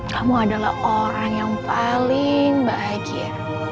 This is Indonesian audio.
kamu adalah orang yang paling bahagia